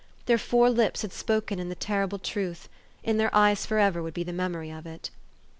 Their four lips had spoken the terrible truth : in their e} T es forever would be the memory of it.